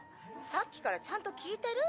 さっきからちゃんと聞いてる？